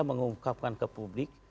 mengungkapkan ke publik